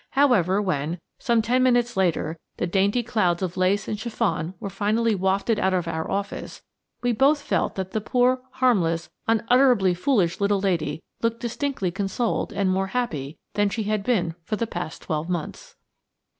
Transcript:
However when, some ten minutes later, the dainty clouds of lace and chiffon were finally wafted out of our office, we both felt that the poor, harmless, unutterably foolish little lady looked distinctly consoled and more happy than she had been for the past twelve months.